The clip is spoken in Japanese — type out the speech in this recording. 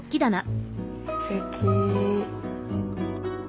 すてき。